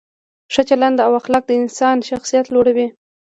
ښه چلند او اخلاق د انسان شخصیت لوړوي.